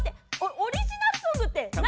オリジナルソングって何？